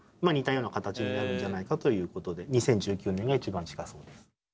似たような形になるんじゃないかということで２０１９年が一番近そうです。